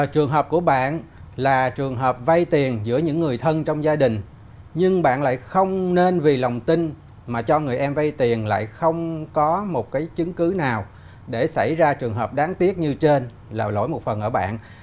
trường hợp của bạn là trường hợp vay tiền giữa những người thân trong gia đình nhưng bạn lại không nên vì lòng tin mà cho người em vay tiền lại không có một cái chứng cứ nào để xảy ra trường hợp đáng tiếc như trên là lỗi một phần ở bạn